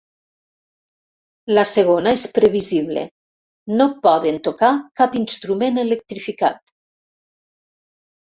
La segona és previsible: no poden tocar cap instrument electrificat.